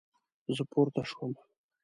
زه پورته شوم